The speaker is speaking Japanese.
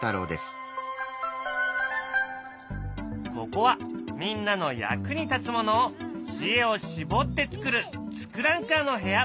ここはみんなの役に立つものを知恵を絞って作る「ツクランカー」の部屋。